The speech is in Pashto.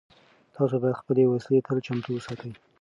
تاسو باید خپلې وسلې تل چمتو وساتئ.